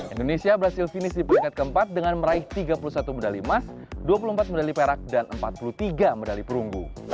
indonesia berhasil finish di peringkat keempat dengan meraih tiga puluh satu medali emas dua puluh empat medali perak dan empat puluh tiga medali perunggu